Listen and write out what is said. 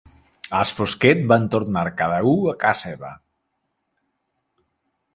As fosquet van tornar cada u a ca seva